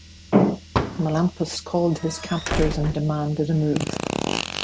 Melampus called his captors and demanded a move.